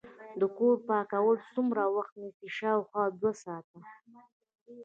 د کور پاکول څومره وخت نیسي؟ شاوخوا دوه ساعته